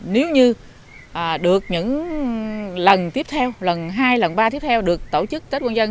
nếu như được những lần tiếp theo lần hai lần ba tiếp theo được tổ chức tết quân dân